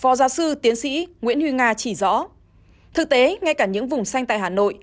phó giáo sư tiến sĩ nguyễn huy nga chỉ rõ thực tế ngay cả những vùng xanh tại hà nội